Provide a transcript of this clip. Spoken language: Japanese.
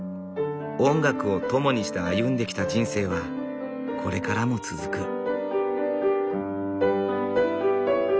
音楽を友にして歩んできた人生はこれからも続く。